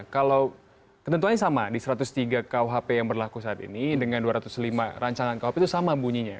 kalau ketentuannya sama di satu ratus tiga kuhp yang berlaku saat ini dengan dua ratus lima rancangan kuhp itu sama bunyinya